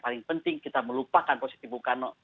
paling penting kita melupakan posisi bukano